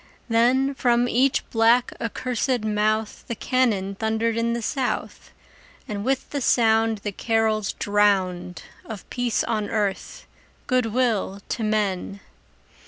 Then from each black, accursed mouth The cannon thundered in the South, And with the sound The carols drowned Of peace on earth, good will to men!